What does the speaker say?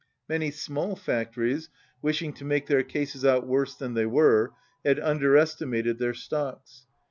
Many small factories, wishing to make their cases out worse than they were, had under estimated their stocks.